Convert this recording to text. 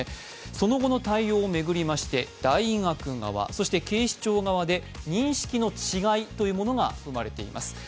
その後の対応を巡りまして大学側、そして警視庁側で、認識の違いというものが生まれています。